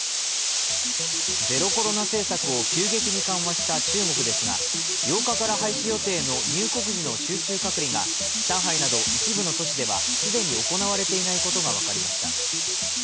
ゼロコロナ政策を急激に緩和した中国ですが８日から廃止予定の入国時の集中隔離が上海など一部の都市では既に行われていないことが分かりました。